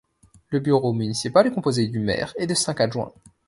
Le Bureau municipal est composé du Maire et de cinq adjoints.